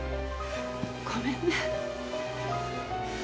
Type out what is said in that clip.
ごめんね。